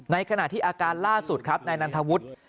ในขณะที่อาการล่าสุดครับนายนันทวุฒิ